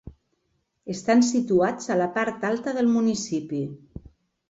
Estan situats a la part alta del municipi.